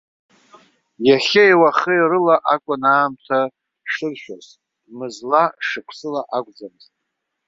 Иахьеи-уахеи рыла акәын аамҭа шыршәоз, мызла, шықәсыла акәӡамызт.